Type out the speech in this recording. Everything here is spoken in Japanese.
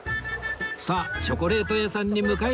さあチョコレート屋さんに向かいましょう！